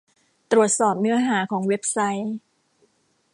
ตรวจสอบเนื้อหาของเว็บไซต์